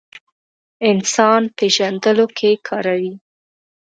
انسان پېژندلو کې کاروي.